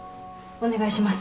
お願いします。